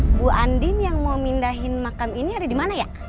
ibu andi yang mau pindahin makam ini ada dimana ya